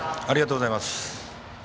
ありがとうございます。